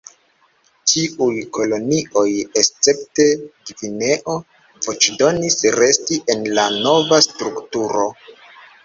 Ĉiuj kolonioj escepte Gvineo voĉdonis resti en la nova strukturo.